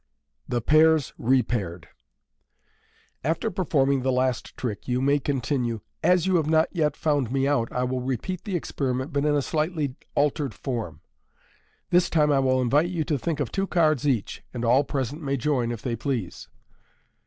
Thb Pairs Rb p aired. — After performing the last trick, you may continue, " As you have not yet found me out, I will repeat the experiment, but in a slightly altered form. This time I will invite you to think of two cards each, and all present may join if they please."